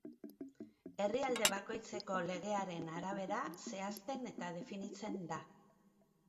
Herrialde bakoitzeko legearen arabera zehazten eta definitzen da.